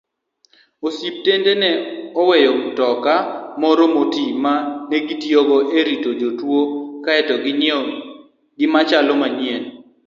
Osiptende ne oweyo mtoka moro moti ma negitiyogo erito jotuwo kaeto ginyiewo gimachielo manyien.